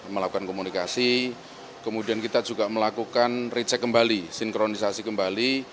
melakukan komunikasi kemudian kita juga melakukan recheck kembali sinkronisasi kembali